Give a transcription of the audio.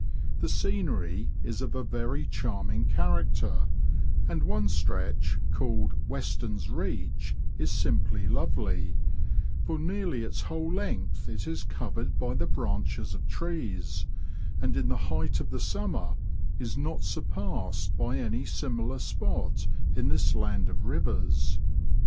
The scenery is of a very charming character, and one stretch, called *' Weston's reach," is simply lovely ; for nearly its whole length it is covered by the branches of trees, and in the height of the summer is not surpassed by any similar spot in this land of rivers.